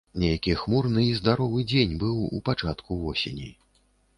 Нейкі хмурны і здаровы дзень быў у пачатку восені.